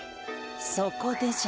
そこでじゃ。